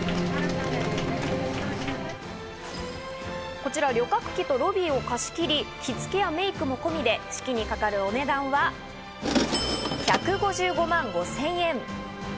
こちら旅客機とロビーを貸し切り着付けやメイクも込みで式にかかるお値段は１５５万５０００円。